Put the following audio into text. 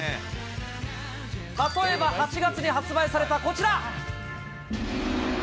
例えば８月に発売されたこちら。